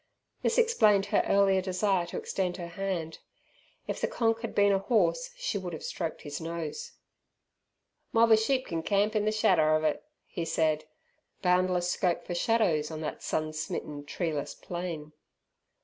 This explained her earlier desire to extend her hand. If the "Konk" had been a horse she would have stroked his nose. "Mob er sheep can camp in the shadder of it," he said. Boundless scope for shadows on that sun smitten treeless plain!